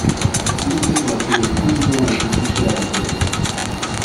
Ike voit que le président a été touché à la tête.